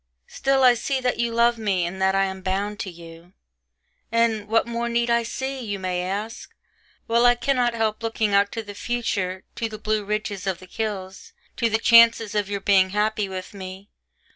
Still I see that you love me and that I am bound to you: and 'what more need I see,' you may ask; while I cannot help looking out to the future, to the blue ridges of the hills, to the chances of your being happy with me.